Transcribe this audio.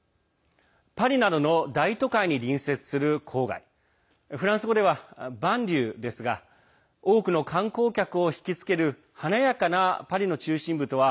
パリなどの大都会に隣接する郊外フランス語ではｂａｎｌｉｅｕｅですが多くの観光客を引きつける華やかなパリの中心部とは